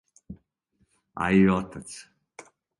А и отац.